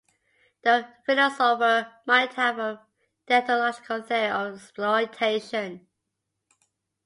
The philosopher might have a deontological theory of exploitation.